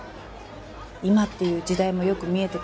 今っていう時代もよく見えてくるし。